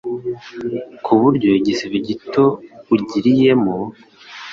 kuburyo igisebe gito ugiriyemo